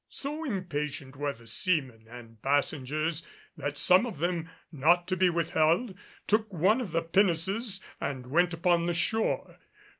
So impatient were the seamen and passengers that some of them, not to be withheld, took one of the pinnaces and went upon the shore.